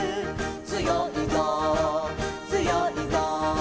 「つよいぞつよいぞ」